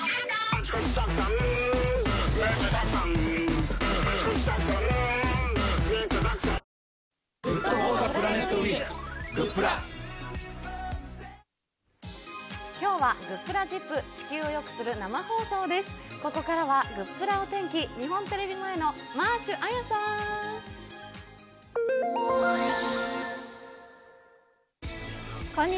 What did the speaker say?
ここからは、グップラお天気、日本テレビ前のマーシュ彩さん。